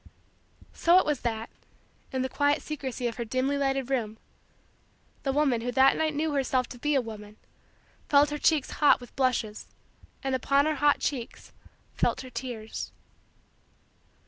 So it was that, in the quiet secrecy of her dimly lighted room, the woman who that night knew herself to be a woman, felt her cheeks hot with blushes and upon her hot cheeks felt her tears.